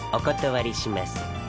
お断りします。